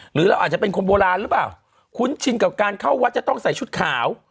หรือเราอาจจะเป็นคนโบราณหรือเปล่าคุ้นชินกับการเข้าวัดจะต้องใส่ชุดขาว